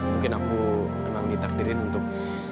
mungkin aku memang ditakdirin untuk